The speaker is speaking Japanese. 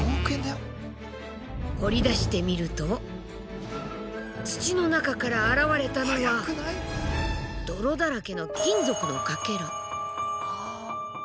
掘り出してみると土の中から現れたのは泥だらけの金属のかけら。